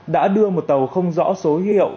đã đưa một tàu không rõ số hiệu